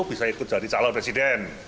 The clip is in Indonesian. bisa ikut jadi calon presiden